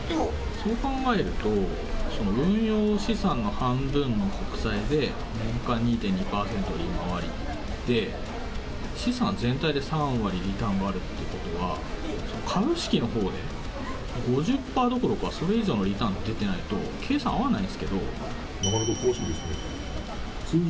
そう考えると、その運用資産の半分の国債で、年間２．２％の利回りって、資産全体で３割リターンがあるということは、株式のほうで５０パーどころかそれ以上のリターン出てないと、計なかなか詳しいですね。